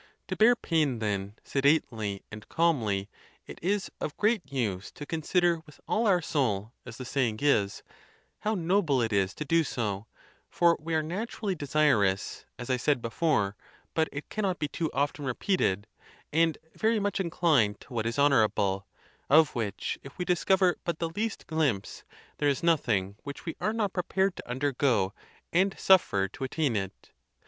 To bear pain, then, sedately and calmly, it is of great use to consider with all our soul, as the saying is, how noble it is to do so, for we are naturally desirous (as I said before, but it cannot' be too often re peated) and very much inclined to what is honorable, of which, if we discover but the least glimpse, there is noth ing which we are not prepared to undergo and suffer to attain it.